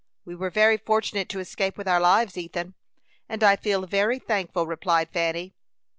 "We were very fortunate to escape with our lives, Ethan, and I feel very thankful," replied Fanny.